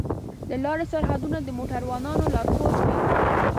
د لارې سرحدونه د موټروانو لارښود وي.